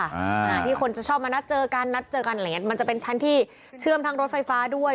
อ่าที่คนจะชอบมานัดเจอกันนัดเจอกันอะไรอย่างเงี้มันจะเป็นชั้นที่เชื่อมทั้งรถไฟฟ้าด้วย